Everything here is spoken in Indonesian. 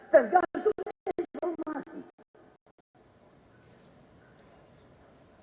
tergantung maklumat tergantung informasi